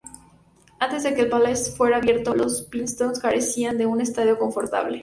Antes de que el "Palace" fuera abierto, los Pistons carecían de un estadio confortable.